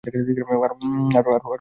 আরো নিয়ে এসেছো?